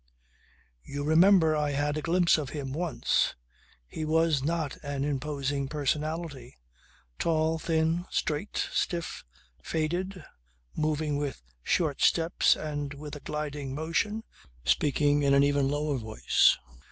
You remember I had a glimpse of him once. He was not an imposing personality: tall, thin, straight, stiff, faded, moving with short steps and with a gliding motion, speaking in an even low voice.